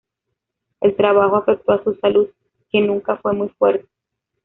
El trabajo afectó a su salud, que nunca fue muy fuerte.